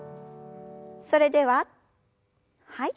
それでははい。